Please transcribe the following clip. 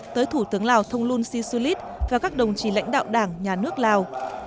tới thủ tướng lào thông luân si su lít và các đồng chí lãnh đạo đảng nhà nước lào